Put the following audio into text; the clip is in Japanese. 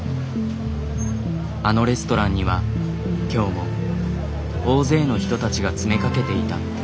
あのレストランには今日も大勢の人たちが詰めかけていた。